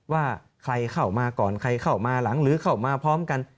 ว่าใครเข้ามาก่อนใครเข้ามาหลังหรือเข้ามาพร้อมกัน